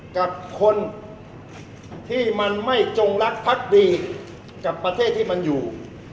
กับคนที่มันไม่จงรักพักดีกับประเทศที่มันอยู่